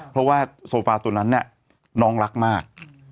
เพราะว่าโซฟาตัวนั้นเนี่ยน้องรักมาก